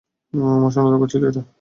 আমার শোনা দরকার ছিল এটা।